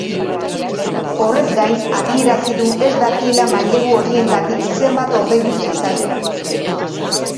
Horrez gain, adierazi du ez dakiela mailegu horiengatik zenbat ordaindu zitzaien.